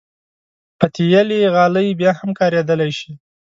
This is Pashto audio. پتېلي غالۍ بیا هم کارېدلی شي.